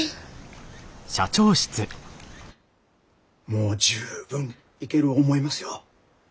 もう十分いける思いますよ。